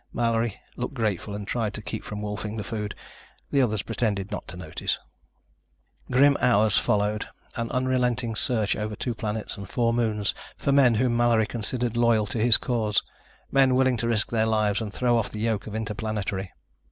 Mallory looked grateful and tried to keep from wolfing the food. The others pretended not to notice. Grim hours followed, an unrelenting search over two planets and four moons for men whom Mallory considered loyal to his cause men willing to risk their lives to throw off the yoke of Interplanetary.